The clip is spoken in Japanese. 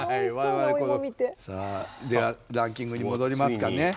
さあではランキングに戻りますかね。